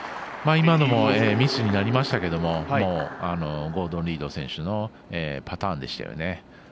今のもミスになりましたがゴードン・リード選手のパターンでしたよね。